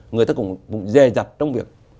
người ta cũng dè dặt trong việc